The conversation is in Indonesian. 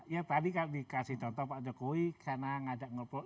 ya tadi kan dikasih contoh pak jokowi senang ngadak ngelok